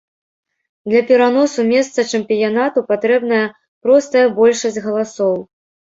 Для пераносу месца чэмпіянату патрэбная простая большасць галасоў.